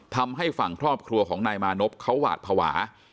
ทำให้ฝั่งครอบครัวของนายมานพเขาหวาดภาวะ